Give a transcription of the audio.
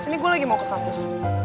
sini gue lagi mau ke kampus